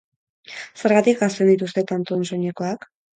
Zergatik janzten dituzte tantodun soinekoak?